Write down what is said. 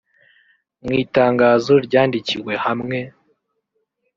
mw'itangazo ryandikiwe hamwe